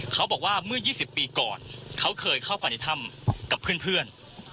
เขาบอกว่าเมื่อยี่สิบปีก่อนเขาเคยเข้าไปในท่ำกับเพื่อนเพื่อน